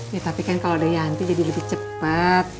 ya tapi kan kalo ada yanti jadi lebih cepet